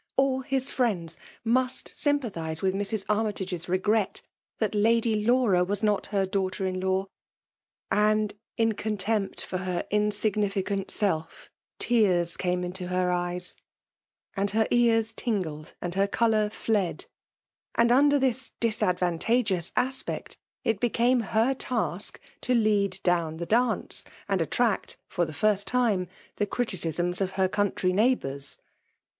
All his friends must sympathize with Mrs. Armytage*s regret that Lady Laura was not her daughter in law, and, in contempt for her insignificant solC tears came into her eyes, " And her eut tingled, and her colour fled ;" and, under this disadvantageous aspect, it be^ came her task to lead down the dance, and FEMALE DOMINATION. 125 attract^ for the first time, the criticisms of her country neighbours.